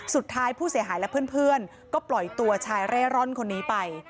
สุดท้ายผู้เสียหายและเพื่อนก็ปล่อยตัวชายเร่ร่อนคนนี้ไป